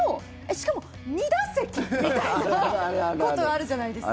しかも２打席！みたいなことあるじゃないですか。